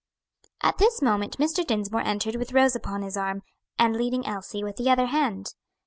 At this moment Mr. Dinsmore entered with Rose upon his arm, and leading Elsie with the other hand.